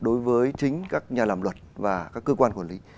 đối với chính các nhà làm luật và các cơ quan quản lý